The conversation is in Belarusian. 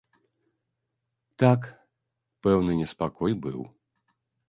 Так, пэўны неспакой быў.